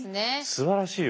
すばらしいよ。